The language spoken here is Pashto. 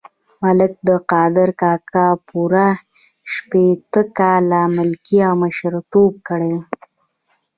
ملک قادر کاکا پوره شپېته کاله ملکي او مشرتوب کړی.